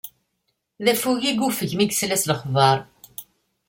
D affug i yuffeg, mi yesla s lexbaṛ.